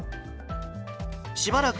しばらく